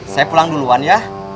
saya pulang duluan ya